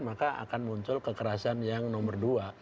maka akan muncul kekerasan yang nomor dua